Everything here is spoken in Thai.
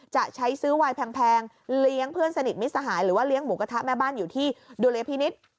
จะใช้ซื้อวายแพงเลี้ยงเพื่อนสนิทมิสหายหรือว่าเลี้ยงหมูกระทะแม่บ้านอยู่ที่ดุลยพินิษฐ์